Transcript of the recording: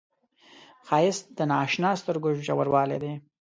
ښایست د نااشنا سترګو ژوروالی دی